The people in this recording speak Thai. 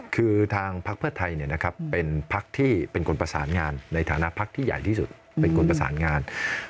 คือทางพักเพื่อไทยเป็นพักที่เป็นคนประสานงานในฐานะพักที่ใหญ่ที่สุดเป็นคนประสานงาน